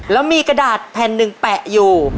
แล้วมีกระดาษหนึ่งแผ่งแปะอยู่